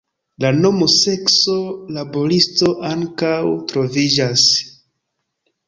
La nomo sekso–laboristo ankaŭ troviĝas.